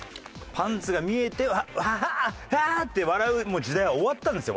パンツが見えて「ワハハ！」って笑う時代は終わったんですよ